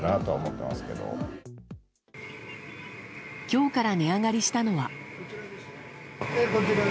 今日から値上がりしたのは。